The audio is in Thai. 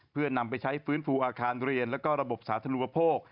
เพื่อนำไปใช้ฟื้นฟูอาคารเรียนแล้วก็ระบบสาธารณูปโภค